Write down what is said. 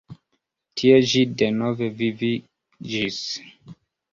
Tie ĝi denove viviĝis.